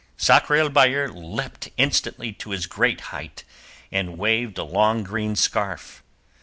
Sakr el Bahr leapt instantly to his great height and waved a long green scarf.